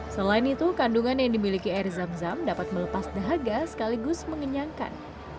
selain itu kandungan yang dimiliki air zam zam dapat melepas dahaga sekaligus mengenyangkan